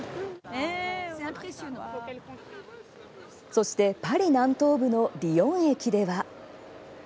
そして、パリ南東部のリヨン駅では。